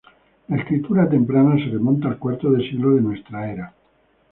La escritura temprana se remota al cuarto siglo de nuestra era.